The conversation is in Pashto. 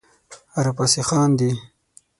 راپسې خاندې